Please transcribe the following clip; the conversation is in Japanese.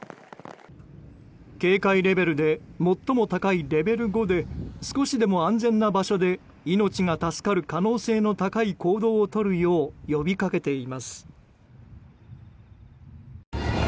警戒レベルで最も高いレベル５で少しでも安全な場所で命が助かる可能性の高い行動を取るよう呼びかけています。